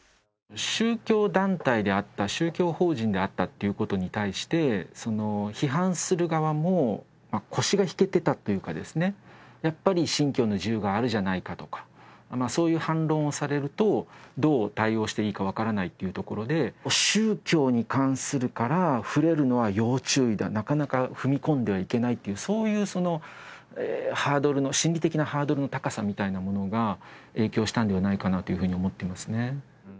宗教団体であった、宗教法人であったことに対して、批判する側も腰が引けてたというか、信教の自由があるじゃないかとか、そういう反論をされるとどう対応していいか分からないというところで、宗教に関するから触れるのは要注意だ、なかなか踏み込んではいけないという心理的なハードルの高さみたいなものが影響したんではないかと思っていますね。